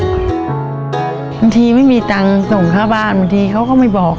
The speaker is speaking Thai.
บางทีไม่มีตังค์ส่งค่าบ้านบางทีเขาก็ไม่บอก